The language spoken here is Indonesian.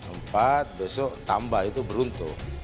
empat besok tambah itu beruntung